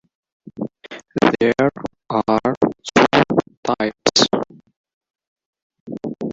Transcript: There are two types.